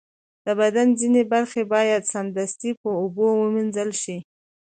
د بدن ځینې برخې باید سمدستي په اوبو ومینځل شي.